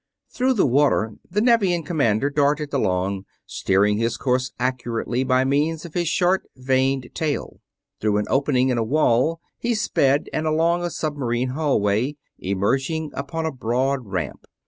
Through the water the Nevian commander darted along, steering his course accurately by means of his short, vaned tail. Through an opening in a wall he sped and along a submarine hallway, emerging upon a broad ramp.